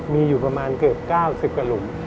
มีอยู่ประมาณเกือบ๙๐กว่าหลุม